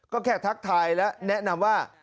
ก็แค่ทักทายและแนะนำว่า